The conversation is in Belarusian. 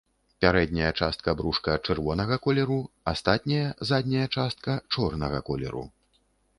Пярэдняя частка брушка чырвонага колеру, астатняя задняя частка чорнага колеру.